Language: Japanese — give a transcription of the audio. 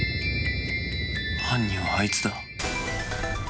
犯人はあいつだ。